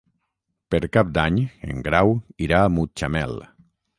Per Cap d'Any en Grau irà a Mutxamel.